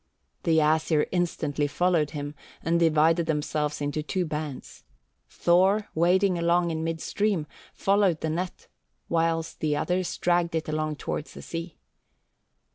The Æsir instantly followed him, and divided themselves into two bands. Thor, wading along in mid stream, followed the net, whilst the others dragged it along towards the sea.